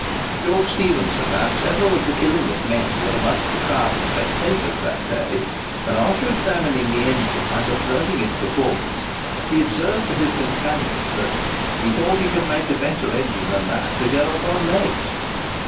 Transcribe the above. George Stephenson and several of the Killingworth men were amongst the crowd of spectators that day; and after examining the engine and observing its performances, he observed to his companions, that "he thought he could make a better engine than that, to go upon legs."